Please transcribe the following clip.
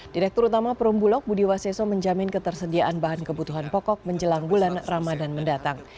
direktur utama perumbulok budi waseso menjamin ketersediaan bahan kebutuhan pokok menjelang bulan ramadan mendatang